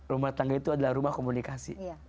rumah tangga itu adalah rumah komunikasi